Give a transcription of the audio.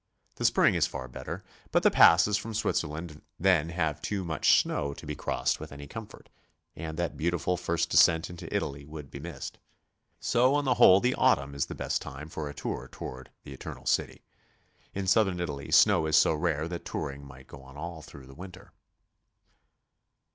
The spring is far better, but the passes from Switzerland then have too much sno w to be crossed with any comfort, and that beautiful first descent into Italy would be missed. So on the whole the autumn is the best time for a tour toward the Eternal City. In Southern Italy sno'W is so rare that touring might go on all through the winter.